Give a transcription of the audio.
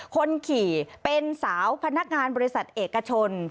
คนขี่เป็นสาวพนักงานบริษัทเอกชน